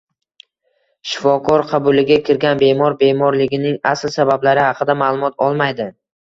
Shifokor qabuliga kirgan bemor bemorligining asl sabablari haqida ma’lumot olmaydi